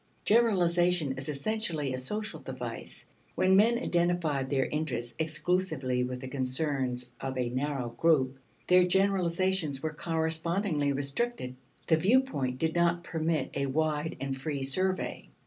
Generalization is essentially a social device. When men identified their interests exclusively with the concerns of a narrow group, their generalizations were correspondingly restricted. The viewpoint did not permit a wide and free survey.